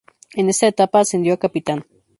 En esta etapa ascendió a Capitán.